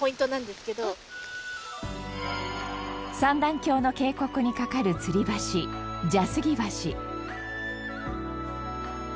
三段峡の渓谷に架かるつり橋蛇杉橋。